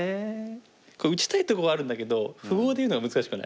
打ちたいとこはあるんだけど符号で言うのが難しくない？